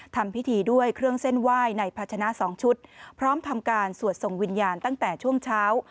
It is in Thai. ทำพิธีด้วยเครื่องเส้นไหว้ในภาชนะ๒ชุดพร้อมทำการสวดส่งวิญญาณตั้งแต่ช่วงเช้า